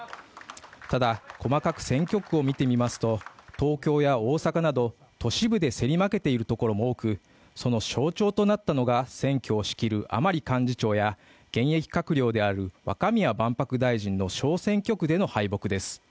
ただ細かく選挙区を見てみますと東京や大阪など都市部で競り負けているところも多く、その象徴となったのが選挙を仕切る甘利幹事長や現役閣僚である若宮万博大臣の小選挙区での敗北です。